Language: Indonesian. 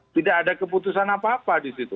tidak ada keputusan apa apa di situ